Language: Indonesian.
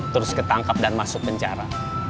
terus ketangkap dan masuk penjara